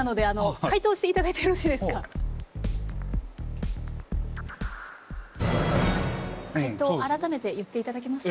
解答改めて言っていただけますか？